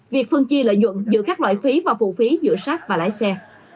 việc phân chia lợi dụng giữa các loại phí và phụ phí giữa rap và lái xe